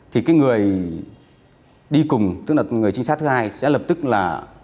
thì cái người đi cùng tức là người trinh sát thứ hai sẽ lập tức là